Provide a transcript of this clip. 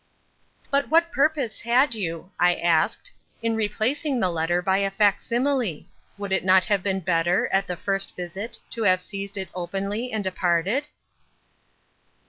"But what purpose had you," I asked, "in replacing the letter by a fac simile? Would it not have been better, at the first visit, to have seized it openly, and departed?"